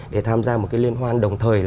để tham gia một cái liên hoan đồng thời